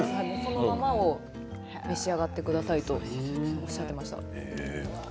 そのまま召し上がってくださいとおっしゃっていました。